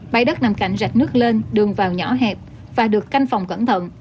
máy đất nằm cạnh rạch nước lên đường vào nhỏ hẹp và được canh phòng cẩn thận